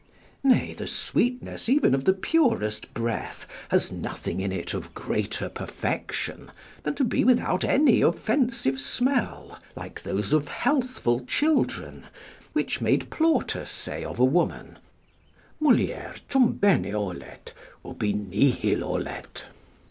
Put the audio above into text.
Nay, the sweetness even of the purest breath has nothing in it of greater perfection than to be without any offensive smell, like those of healthful children, which made Plautus say of a woman: "Mulier tum bene olet, ubi nihil olet."